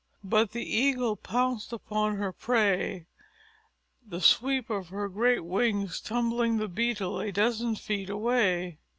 But the Eagle pounced upon her prey, the sweep of her great wings tumbling the Beetle a dozen feet away.